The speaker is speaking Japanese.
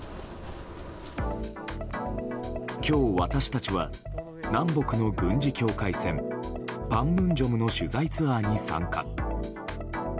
今日、私たちは南北の軍事境界線パンムンジョムの取材ツアーに参加。